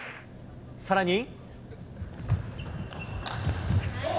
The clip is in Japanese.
さらに。